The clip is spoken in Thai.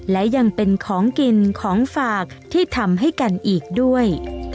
และยังเป็นของกินของฝากที่ทำให้กันอีกด้วย